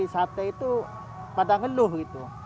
sate itu pada ngenduh gitu